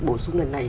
bổ sung lần này